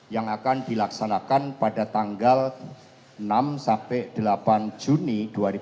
yang akan dilaksanakan pada tanggal enam sampai delapan juni dua ribu dua puluh